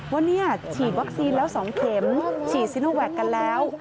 ว่าเนี่ยฉีดวัคซีนแล้ว๒เข็มฉีดซิโนแวคกันแล้ว